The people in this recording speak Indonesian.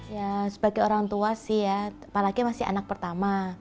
ya sebagai orang tua sih ya apalagi masih anak pertama